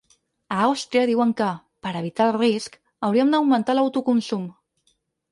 A Àustria diuen que, per evitar el risc, hauríem d’augmentar l’autoconsum.